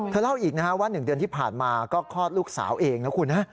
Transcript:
เล่าอีกนะฮะว่า๑เดือนที่ผ่านมาก็คลอดลูกสาวเองนะคุณนะ